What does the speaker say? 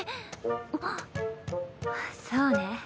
あっそうね。